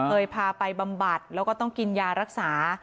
เคยพาไปบำบัดแล้วก็ต้องกินยารักษา